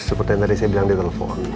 seperti yang tadi saya bilang di telepon